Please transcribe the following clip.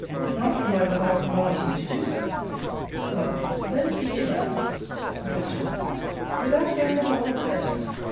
Not when my mamma commands me to do so. M. Then speak it now. D. Without hearing the whole of the letter?